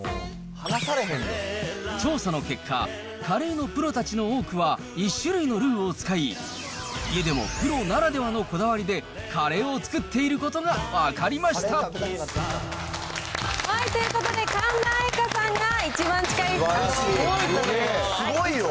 調査の結果、カレーのプロたちの多くは１種類のルーを使い、家でもプロならではのこだわりでカレーを作っていることが分かりということで、すごいよ。